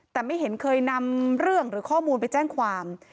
แต่ไม่เห็นเคยนำเรื่องหรือข้อมูลไปแจ้งความ